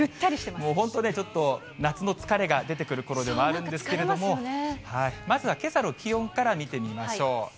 もう本当ね、ちょっと夏の疲れが出てくるころでもあるんですけれども、まずはけさの気温から見てみましょう。